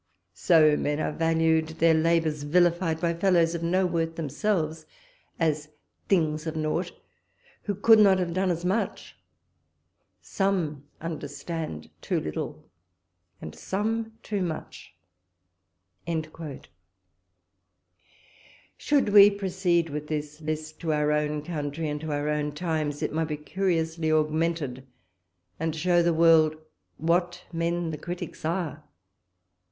So men are valued; their labours vilified by fellowes of no worth themselves, as things of nought: Who could not have done as much? Some understande too little, and some too much." Should we proceed with this list to our own country, and to our own times, it might be curiously augmented, and show the world what men the Critics are!